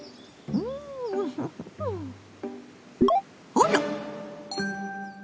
あら！